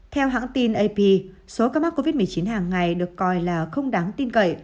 theo hãng tin ap số ca mắc covid một mươi chín hàng ngày được coi là không đáng tin cậy